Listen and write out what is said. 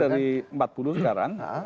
dari empat puluh sekarang